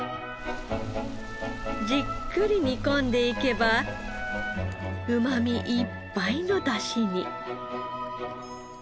じっくり煮込んでいけばうまみいっぱいの出汁に。